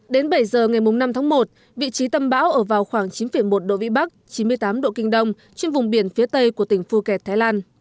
đến bảy giờ ngày năm tháng một vị trí tâm bão ở vào khoảng chín một độ vĩ bắc chín mươi tám độ kinh đông trên vùng biển phía tây của tỉnh phu kẹt thái lan